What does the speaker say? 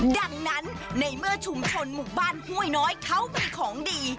ดังนั้นในเมื่อชุมชนหมู่บ้านห้วยน้อยเขามีของดี